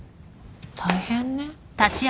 大変ね。